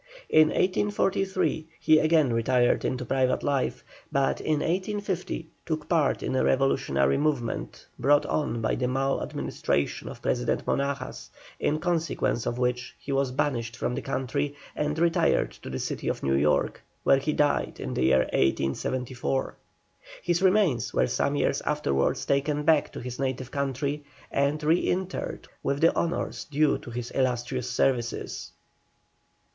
In 1843 he again retired into private life, but in 1850 took part in a revolutionary movement, brought on by the mal administration of President Monagas, in consequence of which he was banished from the country, and retired to the city of New York, where he died in the year 1874. His remains were some years afterwards taken back to his native country, and re interred with the honours due to his illustrious services.